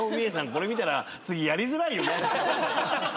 これ見たら次やりづらいよね。